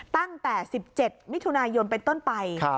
ตั้งแต่๑๗มิถุนายนเป็นต้นไป